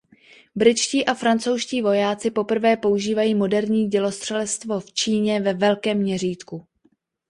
Britští a francouzští vojáci poprvé používají moderní dělostřelectvo v Číně ve velkém měřítku.